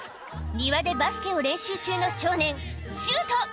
庭でバスケを練習中の少年シュート！